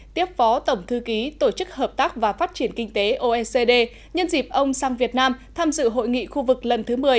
tiếp phó tổng thư ký tổ chức hợp tác và phát triển kinh tế oecd nhân dịp ông sang việt nam tham dự hội nghị khu vực lần thứ một mươi